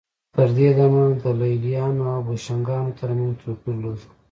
تر دې دمه د لېلیانو او بوشنګانو ترمنځ توپیر لږ و